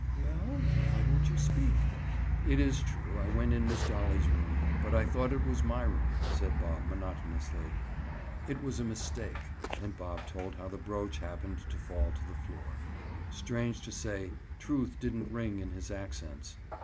"Well, why don't you speak?" "It is true I went in Miss Dolly's room, but I thought it was my room," said Bob monotonously. "It was a mistake." And Bob told how the brooch happened to fall to the floor. Strange to say, truth didn't ring in his accents.